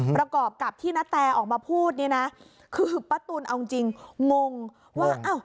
ประกอบกับที่นาแตออกมาพูดเนี่ยนะคือป้าตุ๋นเอาจริงงงว่าอ้าว